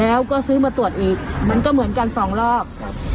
แล้วก็ซื้อมาตรวจอีกมันก็เหมือนกันสองรอบครับ